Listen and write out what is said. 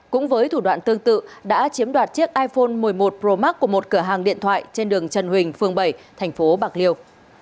cũng với thủ đoạn tương tự đã chiếm đoạt chiếc iphone một mươi một pro max của một cửa hàng điện thoại trên đường trần huỳnh phường bảy thành phố bạc liêu